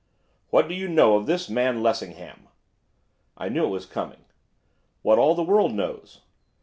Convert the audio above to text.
'What do you know of this man Lessingham?' I knew it was coming. 'What all the world knows.